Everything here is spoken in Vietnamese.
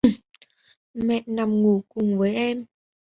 mẹ nằm ngủ cùng với em